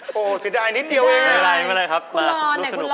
โอ้โฮสิด่ายนิดเดียวเองน่ะไม่ได้ครับรู้สึกสนุกคุณร้อน